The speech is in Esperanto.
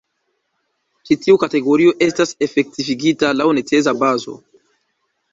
Ĉi tiu kategorio estas efektivigita laŭ necesa bazo.